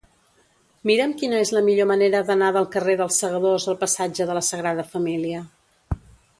Mira'm quina és la millor manera d'anar del carrer dels Segadors al passatge de la Sagrada Família.